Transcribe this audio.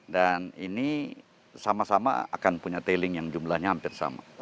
dan ini sama sama akan punya tailing yang jumlahnya hampir sama